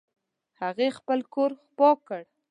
هغې خپل کور پاک کړ